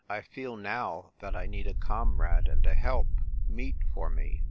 I feel now that I need a comrade and a help, meet for me.